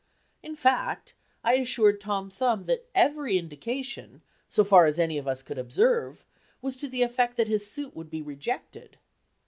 In fact, I assured Tom Thumb that every indication, so far as any of us could observe, was to the effect that his suit would be rejected.